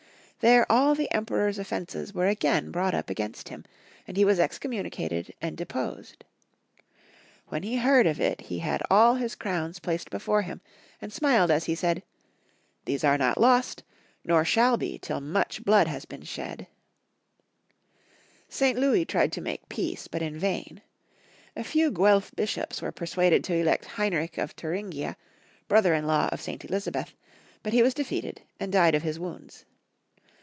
There all the Emperor's offences were again brought up against him, and he was again excommunicated and deposed. When he heard of it he had all his crowns * Welfs and Waiblings in Germany, Guelf s and Ghibeilines in Italy. Friedrich 11. 181 placed before him, and smiled as he said —" These are not lost, nor shall be till much blood has been shed." St. Louis tried to make peace, but in vain. A few Guelf bishops were persuaded to elect Heinrich of Thuringia, brother in law of St. Elizabeth, but he was defeated, and died of his wounds.